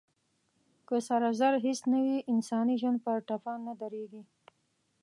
که سره زر هېڅ نه وي، انساني ژوند پر ټپه نه درېږي.